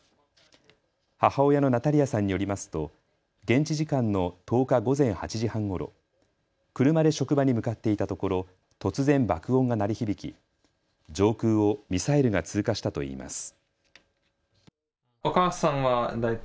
母親のナタリヤさんによりますと現地時間の１０日午前８時半ごろ、車で職場に向かっていたところ突然、爆音が鳴り響き上空をミサイルが通過したといいます。